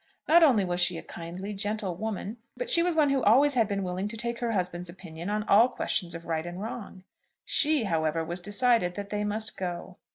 Not only was she a kindly, gentle woman, but she was one who always had been willing to take her husband's opinion on all questions of right and wrong. She, however, was decided that they must go.